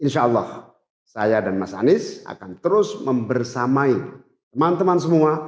insya allah saya dan mas anies akan terus membersamai teman teman semua